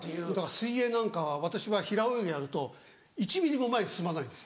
水泳なんかは私は平泳ぎやると１ｍｍも前に進まないんです。